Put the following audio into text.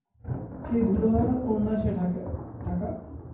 সেই ধুলোর ওড়নায় সে ঢাকা।